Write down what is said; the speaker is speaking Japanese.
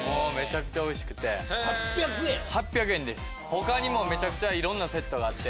他にもめちゃくちゃいろんなセットがあって。